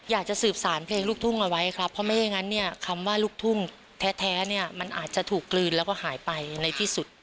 อยากจะสืบสารเพลงลูกทุ่งเอาไว้ครับเพราะไม่อย่างนั้นเนี่ยคำว่าลูกทุ่งแท้เนี่ยมันอาจจะถูกกลืนแล้วก็หายไปในที่สุด